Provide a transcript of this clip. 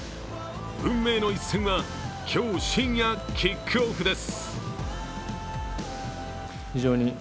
運命の一戦は、今日深夜キックオフです。